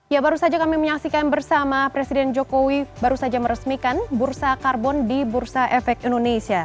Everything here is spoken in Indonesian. ya baru saja kami menyaksikan bersama presiden jokowi baru saja meresmikan bursa karbon di bursa efek indonesia